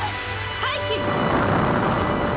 回避！